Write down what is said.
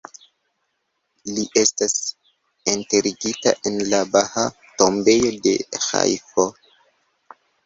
Li estas enterigita en la Bahaa Tombejo de Ĥajfo.